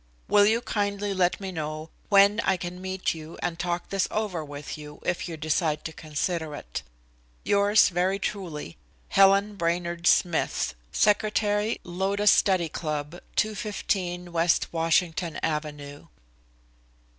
"Will you kindly let me know when I can meet you and talk this over with you, if you decide to consider it? "Yours very truly, "HELEN BRAINERD SMITH, "Secretary Lotus Study Club, "215 West Washington Avenue."